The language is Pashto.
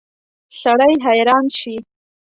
سړی حیران شي.